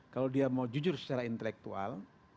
kalau dia mau jujur secara intelektual